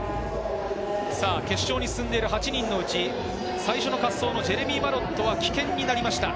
決勝に進んでいる８人のうち、最初の滑走のジェレミー・マロットは棄権になりました。